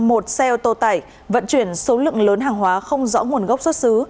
một xe ô tô tải vận chuyển số lượng lớn hàng hóa không rõ nguồn gốc xuất xứ